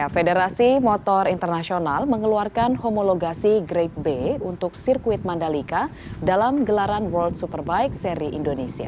federasi motor internasional mengeluarkan homologasi grade b untuk sirkuit mandalika dalam gelaran world superbike seri indonesia